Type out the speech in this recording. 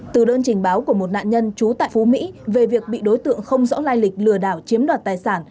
từ đơn trình báo của một nạn nhân trú tại phú mỹ về việc bị đối tượng không rõ lai lịch lừa đảo chiếm đoạt tài sản